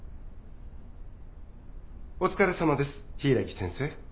・お疲れさまです柊木先生。